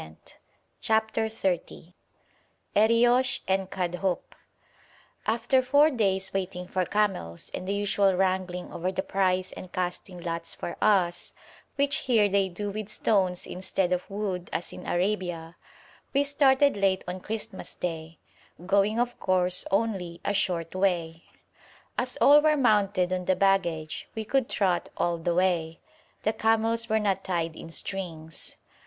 136.] CHAPTER XXX ERIOSH AND KADHOUP After four days waiting for camels, and the usual wrangling over the price and casting lots for us, which here they do with stones instead of wood as in Arabia, we started late on Christmas Day, going of course only a short way. As all were mounted on the baggage we could trot all the way; the camels were not tied in strings.